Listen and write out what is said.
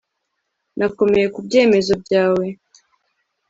nakomeye ku byemezo byawe